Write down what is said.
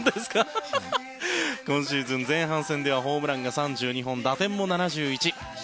今シーズン前半戦ではホームランが３２本打点も７１。